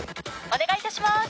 「お願い致します」